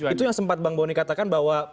itu yang sempat bang boni katakan bahwa